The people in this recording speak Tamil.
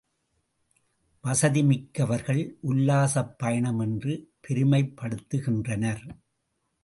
வசதி மிக்கவர்கள் உல்லாசப் பயணம் என்று பெருமைப்படுத்துகின்றனர்.